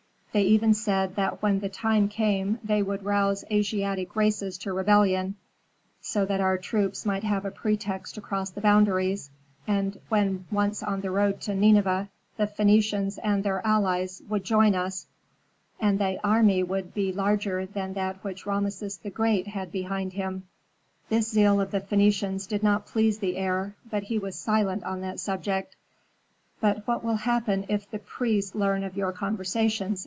"They even said that when the time came they would rouse Asiatic races to rebellion, so that our troops might have a pretext to cross the boundaries, and when once on the road to Nineveh, the Phœnicians and their allies would join us. And thy army would be larger than that which Rameses the Great had behind him." This zeal of the Phœnicians did not please the heir, but he was silent on that subject. "But what will happen if the priests learn of your conversations?"